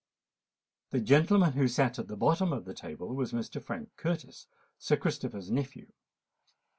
The gentleman who sate at the bottom of the table was Mr. Frank Curtis, Sir Christopher's nephew.